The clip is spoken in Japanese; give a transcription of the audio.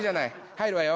入るわよ。